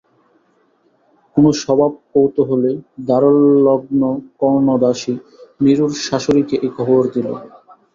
কোনো স্বভাবকৌতূহলী দ্বারলগ্নকর্ণদাসী নিরুর শাশুড়িকে এই খবর দিল।